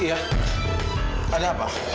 iya ada apa